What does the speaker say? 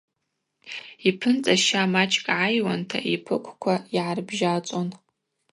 Йпынцӏа ща мачӏкӏ гӏайуанта йпыквква йгӏарбжьачӏвун.